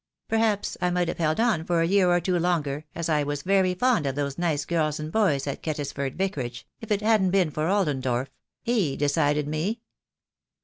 Perhaps I might have held on for a year or two longer, as I was very fond of those nice girls and boys at Kettisford Vicarage, if it hadn't been for Ollendorff. He decided me.